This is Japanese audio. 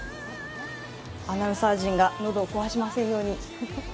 アナウンサー陣が喉を壊しませんように。